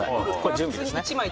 準備ですね。